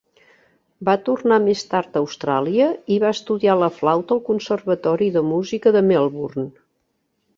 Va tornar més tard a Austràlia i va estudiar la flauta al Conservatori de Música de Melbourne.